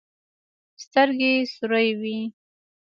سترګې سورې وې.